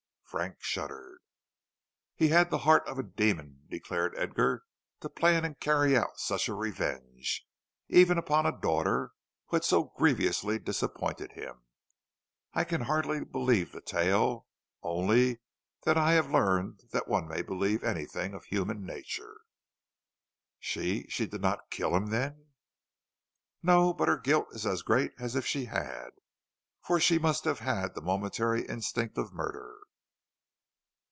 Frank shuddered. "He had the heart of a demon," declared Edgar, "to plan and carry out such a revenge, even upon a daughter who had so grievously disappointed him. I can hardly believe the tale, only that I have learned that one may believe anything of human nature." "She she did not kill him, then?" "No, but her guilt is as great as if she had, for she must have had the momentary instinct of murder."